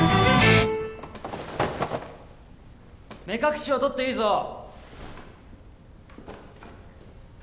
目隠しを取っていいぞ。